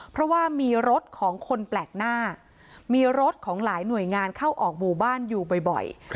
เพราะว่ามีรถของคนแปลกหน้ามีรถของหลายหน่วยงานเข้าออกหมู่บ้านอยู่บ่อย